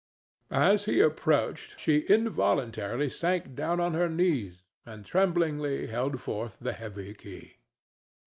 As he approached she involuntarily sank down on her knees and tremblingly held forth the heavy key.